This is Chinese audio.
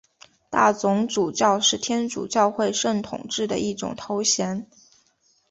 大总主教是天主教会圣统制的一种头衔。